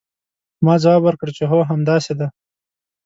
ما ځواب ورکړ چې هو همداسې ده.